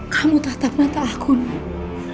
kamu tatap mata aku dulu